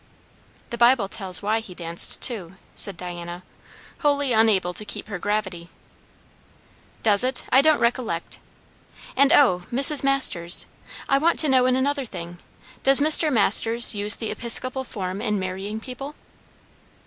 "The Bible tells why he danced, too," said Diana, wholly unable to keep her gravity. "Does it? I don't recollect. And O, Mrs. Masters, I want to know another thing; does Mr. Masters use the Episcopal form in marrying people?"